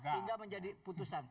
sehingga menjadi putusan